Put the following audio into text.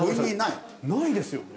ないですよね。